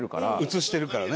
写してるからね。